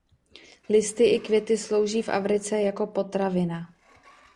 Listy i květy slouží v Africe jako potravina.